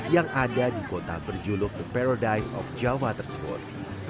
yang ada di kota berjuluk the paradise of jawa tersebut